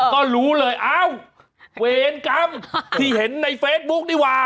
ก็รู้เลยอ้าวเวรกรรมที่เห็นในเฟซบุ๊กนี่ว่า